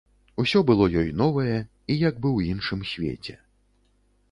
Усё было ёй новае і як бы ў іншым свеце.